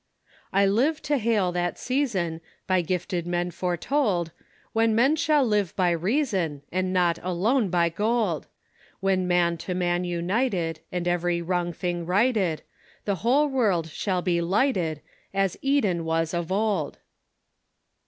" I live to hail that season. By gifted men foretold, When men shnll live by reason, And not alone by gold ! When man to man united, And every wrong thing righted; The whole world shall be lighted, As Eden was of old